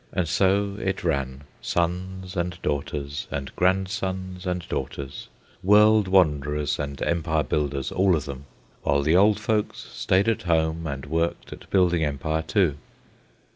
And so it ran, sons and daughters, and grand sons and daughters, world wanderers and empire builders, all of them, while the old folks stayed at home and worked at building empire too.